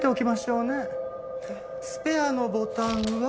スペアのボタンは。